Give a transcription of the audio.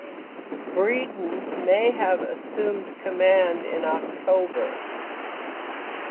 Breedon may have assumed command in October.